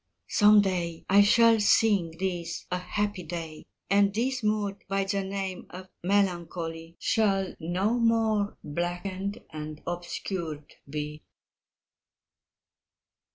Some day I shall think this a happy day, And this mood by the name of melancholy Shall no more blackened and obscured be.